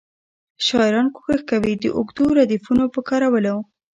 شاعران کوښښ کوي د اوږدو ردیفونو په کارولو.